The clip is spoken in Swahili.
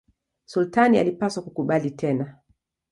Sultani alipaswa kukubali tena.